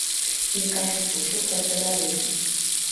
Не кажучы ўжо пра тэрарызм.